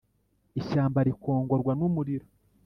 Ishyamba rikongorwa n’umuriro